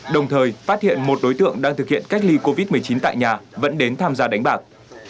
đồng thời phát hiện một đối tượng đang thực hiện cách ly covid một mươi chín tại nhà vẫn đến tham gia đánh bạc